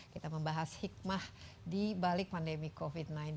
kita membahas hikmah di balik pandemi covid sembilan belas